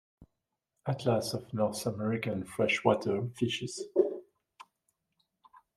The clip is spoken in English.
Atlas of North American Freshwater Fishes.